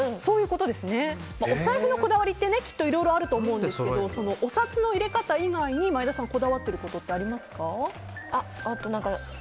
お財布のこだわりっていろいろあると思うんですけどお札の入れ方以外に前田さん、こだわってることってありますか？